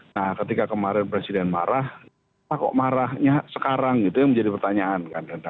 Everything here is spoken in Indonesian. nah ketika kemarin presiden marah kenapa kok marahnya sekarang gitu menjadi pertanyaan